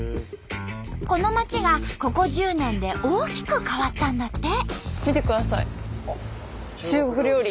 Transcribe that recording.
この町がここ１０年で大きく変わったんだって！